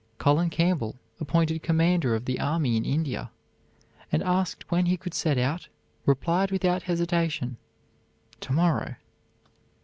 Colin Campbell, appointed commander of the army in India, and asked when he could set out, replied without hesitation, "To morrow."